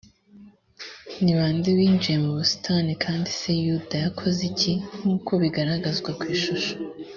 ni bande binjiye mu busitani kandi se yuda yakoze iki nk uko bigaragazwa ku ishusho